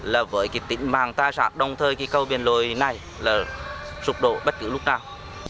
là với tỉnh bằng tài sản đồng thời cầu bến lội này là sụp đổ bất cứ lúc nào